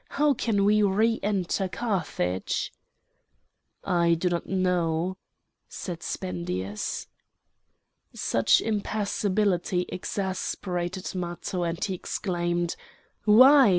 How can we re enter Carthage?" "I do not know," said Spendius. Such impassibility exasperated Matho and he exclaimed: "Why!